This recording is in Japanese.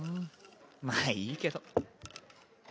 まっいいけど。